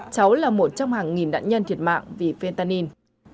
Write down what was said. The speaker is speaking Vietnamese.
cháu là một trong hàng nghìn nạn nhân thiệt mạng vì phentain